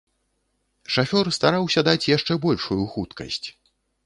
Шафёр стараўся даць яшчэ большую хуткасць.